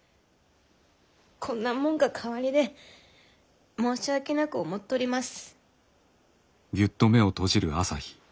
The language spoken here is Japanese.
こんなもんが代わりで申し訳なく思っとります。